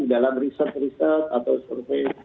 dalam riset riset atau survei